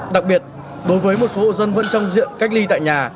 đặc biệt đối với một số hộ dân vẫn trong diện cách ly tại nhà